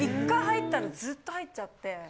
１回入ったらずっと入っちゃって。